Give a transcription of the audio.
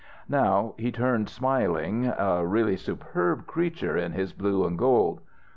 Now he turned, smiling, a really superb creature in his blue and gold.